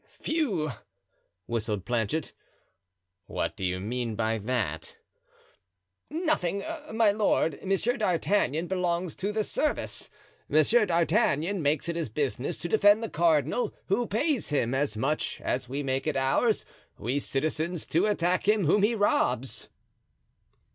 "Phew!" whistled Planchet. "What do you mean by that?" "Nothing, my lord; Monsieur d'Artagnan belongs to the service; Monsieur d'Artagnan makes it his business to defend the cardinal, who pays him, as much as we make it ours, we citizens, to attack him, whom he robs."